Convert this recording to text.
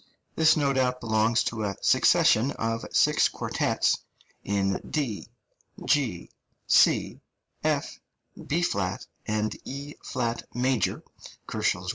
This no doubt belongs to a succession of six quartets in D, G, C, F, B flat, and E flat major (155 160, K.)